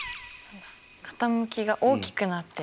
傾きが大きくなってる。